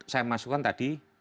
saya masukkan tadi